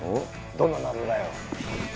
どんな謎だよ